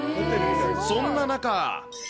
そんな中。